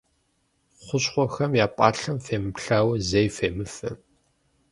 Хущхъуэхэм я пӏалъэм фемыплъауэ, зэи фемыфэ.